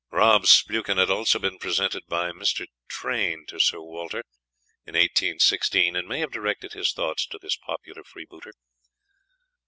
Rob's spleuchan had also been presented by Mr. Train to Sir Walter, in 1816, and may have directed his thoughts to this popular freebooter.